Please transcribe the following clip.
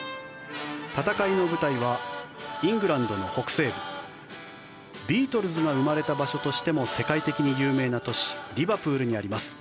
戦いの舞台はイングランドの北西部ビートルズが生まれた場所としても世界的に有名な都市リバプールにあります